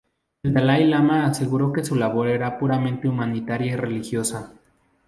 El Dalái Lama aseguró que su labor era puramente humanitaria y religiosa.